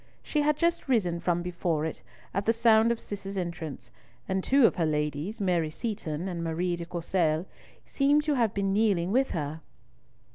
She had just risen from before it, at the sound of Cis's entrance, and two of her ladies, Mary Seaton and Marie de Courcelles, seemed to have been kneeling with her.